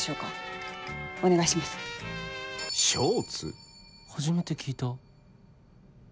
初めて聞いた